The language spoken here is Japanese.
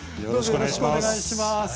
よろしくお願いします。